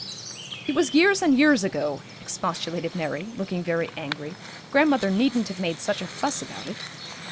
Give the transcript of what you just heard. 'It was years and years ago,' expostulated Mary, looking very angry. 'Grandmother needn't have made such a fuss about it.'